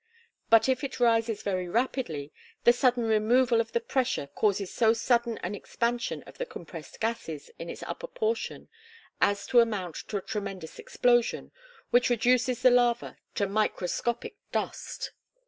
But if it rises very rapidly, the sudden removal of the pressure causes so sudden an expansion of the compressed gases in its upper portion as to amount to a tremendous explosion, which reduces the lava to microscopic dust.